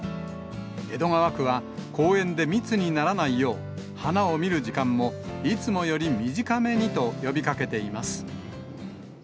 江戸川区は公園で密にならないよう、花を見る時間も、いつもより短めにと呼びかけています。